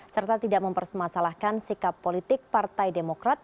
serta tidak mempermasalahkan sikap politik partai demokrat